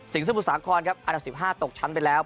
สมุทรสาครครับอันดับ๑๕ตกชั้นไปแล้ว